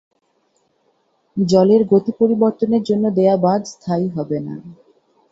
জলের গতি পরিবর্তনের জন্য দেওয়া বাঁধ স্থায়ী হবে না।